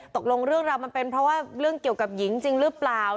ตกลงเรื่องราวมันเป็นเพราะว่าเรื่องเกี่ยวกับหญิงจริงหรือเปล่า